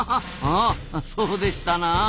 あそうでしたなあ。